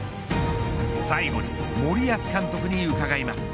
最後に森保監督に伺います。